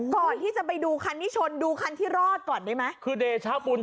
ก่อนที่จะไปดูคันนี้ชนที่รอดก่อนได้มั้ย